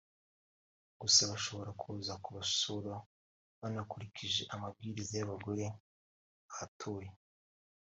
gusa bashobora kuza kubasura banakurikije amabwiriza y’abagore bahatuye